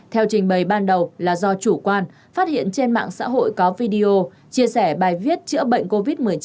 theo trình bày ban đầu là do chủ quan phát hiện trên mạng xã hội có video chia sẻ bài viết chữa bệnh covid một mươi chín